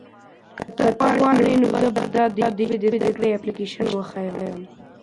که ته وغواړې نو زه به درته د ژبې د زده کړې اپلیکیشن وښیم.